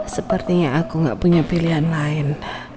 sepertinya aku nggak punya pilihan lain